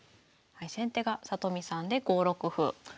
先手が里見さんで５六歩。